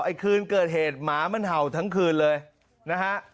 คืนเกิดเหตุหมามันเห่าทั้งคืนเลยนะฮะ